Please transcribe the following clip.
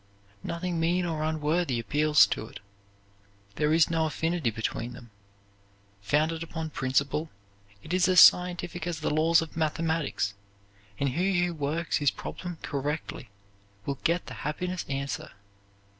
Nothing mean or unworthy appeals to it. There is no affinity between them. Founded upon principle, it is as scientific as the laws of mathematics, and he who works his problem correctly will get the happiness answer.